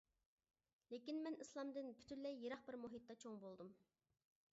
لېكىن مەن ئىسلامدىن پۈتۈنلەي يىراق بىر مۇھىتتا چوڭ بولدۇم.